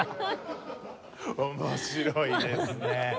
面白いですね。